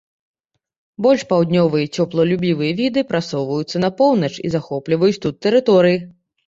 Больш паўднёвыя цёплалюбівыя віды прасоўваюцца на поўнач і захопліваюць тут тэрыторыі.